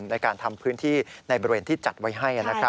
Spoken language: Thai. ในการทำพื้นที่ในบริเวณที่จัดไว้ให้